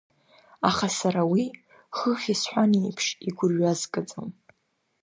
Аха сара уи, хыхь исҳәан еиԥш, игәырҩазгаӡом.